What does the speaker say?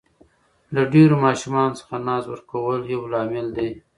له ډېرو ماشومانو څخه ناز ورکول یو لامل دی.